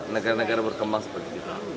negara negara berkembang seperti kita